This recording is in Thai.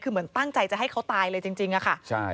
คือเหมือนตั้งใจจะให้เขาตายเลยจริงอะค่ะ